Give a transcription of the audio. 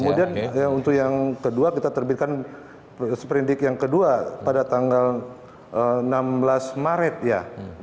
kemudian untuk yang kedua kita terbitkan seperindik yang kedua pada tanggal enam belas maret ya